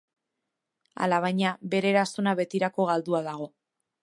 Alabaina, bere eraztuna betirako galdua dago.